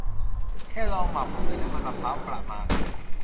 แค่ลองหมักผมด้วยน้ำมันมะพร้าวประมาณ